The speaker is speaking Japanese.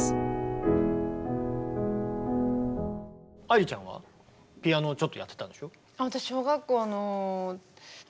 愛理ちゃんはピアノちょっとやってたんでしょ？